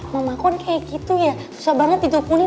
mama kan kayak gitu ya susah banget ditukunin